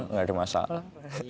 nggak ada masalah